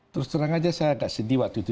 terus terang aja saya agak sedih waktu itu